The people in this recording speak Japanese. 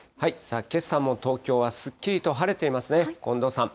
けさも東京はすっきりと晴れていますね。